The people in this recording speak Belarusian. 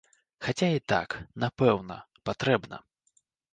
Хаця і так, напэўна, патрэбна.